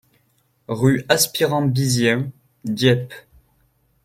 Rue Aspirant Bizien, Dieppe